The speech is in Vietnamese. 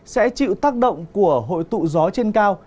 sẽ chịu tác động của hội tụ gió trên cao